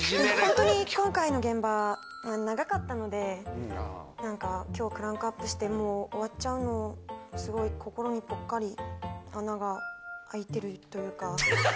本当に今回の現場長かったのでなんか今日クランクアップしてもう終わっちゃうのすごい心にぽっかり穴が開いてるというか。